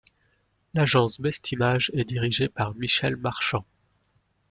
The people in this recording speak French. L'agence Bestimage est dirigée par Michèle Marchand.